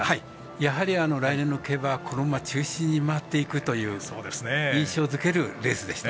やはり、来年の競馬はこの馬中心に回っていくと印象づけるレースでした。